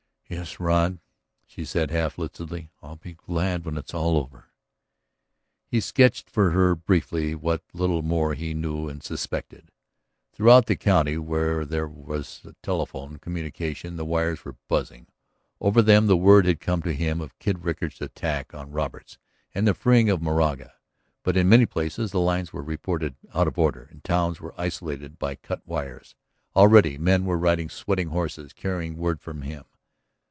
"Yes, Rod." she said half listlessly. "I'll be glad when it's all over." He sketched for her briefly what little more he knew and suspected. Throughout the county where there was telephone communication the wires were buzzing. Over them the word had come to him of Kid Rickard's attack on Roberts and the freeing of Moraga. But in many places the lines were reported "out of order" and towns were isolated by cut wires. Already men were riding sweating horses, carrying word from him.